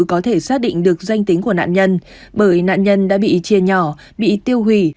có thể xác định được danh tính của nạn nhân bởi nạn nhân đã bị chia nhỏ bị tiêu hủy